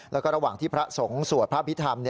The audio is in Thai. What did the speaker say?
แล้วก็ระหว่างที่พระสงฆ์สวดพระพิธรรม